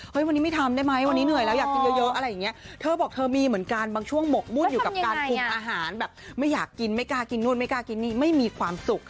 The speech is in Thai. เฮ้ยวันนี้ไม่ทำได้ไหมวันนี้เหนื่อยแล้วอยากกินเยอะอะไรอย่างเงี้ย